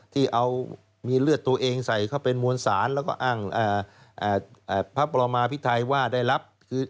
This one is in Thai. ที่เอามีเลือดตัวเองใส่เขาเป็นมวลสารแล้วก็อ้างพระปรมาพิไทยว่าได้รับคือ